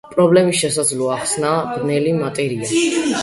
პრობლემის შესაძლო ახსნაა ბნელი მატერია.